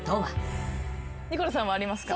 ニコルさんはありますか？